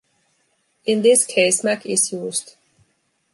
In this case Mac is used.